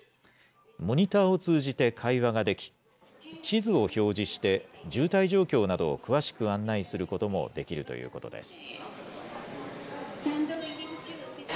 モニターを通じて会話ができ、地図を表示して、渋滞状況などを詳しく案内することもできるということです。